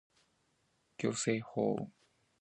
Mata quij ziix quih me maahit.